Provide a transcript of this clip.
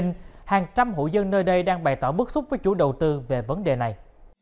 hàng trăm hữu dân nơi đây đang bày tỏ bức xúc với chủ đầu tư về vấn đề này